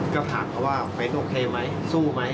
ก็ถามเขาว่าเฟสโอเคมั้ยสู้มั้ย